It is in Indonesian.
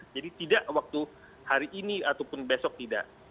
jadi tidak waktu hari ini ataupun besok tidak